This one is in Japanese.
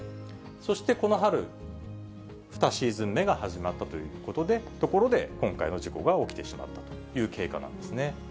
そしてこの春、２シーズン目が始まったというところで、今回の事故が起きてしまったという経過なんですね。